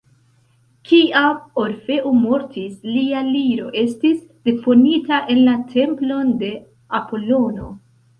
Kiam Orfeo mortis, lia liro estis deponita en la templon de Apolono.